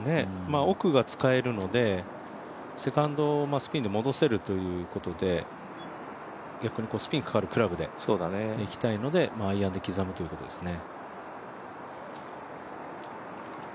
奥が使えるのでセカンドスピンで戻せるということで逆にスピンかかるクラブでいきたいのでアイアンで刻むということですね。